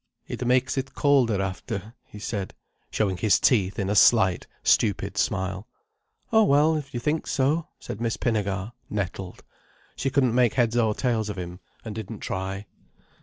"It makes it colder after," he said, showing his teeth in a slight, stupid smile. "Oh well, if you think so," said Miss Pinnegar, nettled. She couldn't make heads or tails of him, and didn't try.